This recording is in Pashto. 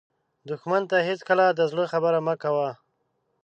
دښمن ته هېڅکله د زړه خبره مه کوه